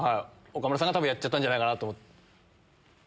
岡村さんが多分やっちゃったんじゃないかな。